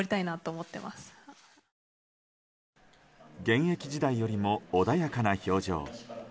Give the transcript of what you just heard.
現役時代よりも穏やかな表情。